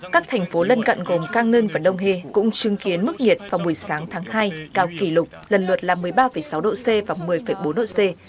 các thành phố lân cận gồm kangneung và donghae cũng chứng kiến mức nhiệt vào buổi sáng tháng hai cao kỷ lục lần lượt là một mươi ba sáu độ c và một mươi bốn độ c